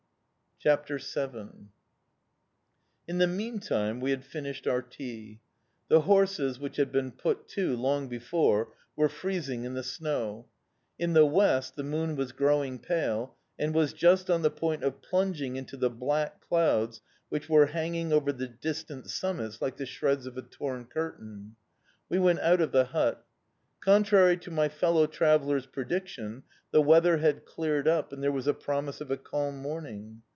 CHAPTER VII IN the meantime we had finished our tea. The horses, which had been put to long before, were freezing in the snow. In the west the moon was growing pale, and was just on the point of plunging into the black clouds which were hanging over the distant summits like the shreds of a torn curtain. We went out of the hut. Contrary to my fellow traveller's prediction, the weather had cleared up, and there was a promise of a calm morning.